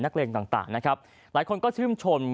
นักเรียนต่างนะครับหลายคนก็ชิมชม